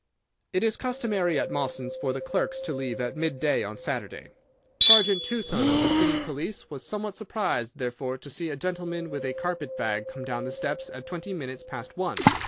"It is customary at Mawson's for the clerks to leave at midday on Saturday. Sergeant Tuson, of the City Police, was somewhat surprised, therefore to see a gentleman with a carpet bag come down the steps at twenty minutes past one.